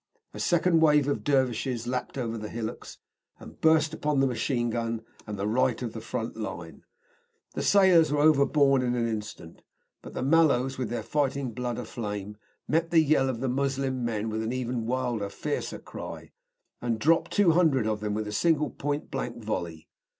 A second wave of dervishes lapped over the hillocks, and burst upon the machine gun and the right front of the line. The sailors were overborne in an instant, but the Mallows, with their fighting blood aflame, met the yell of the Moslem with an even wilder, fiercer cry, and dropped two hundred of them with a single point blank volley.